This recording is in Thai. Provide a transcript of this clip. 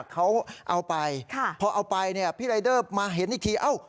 เขาเอาไปพอเอาไปเนี่ยพี่รายเดอร์มาเห็นอีกทีเอ้า